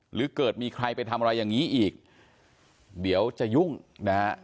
หรือเกิดมีใครไปทำอะไรอย่างนี้อีกเดี๋ยวจะยุ่งนะฮะ